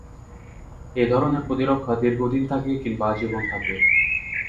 এ ধরনের প্রতিরক্ষা দীর্ঘদিন থাকে কিংবা আজীবন থাকে।